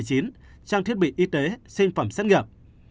trong thiết bị y tế sinh phẩm xét nghiệm